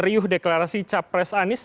riuh deklarasi capres anis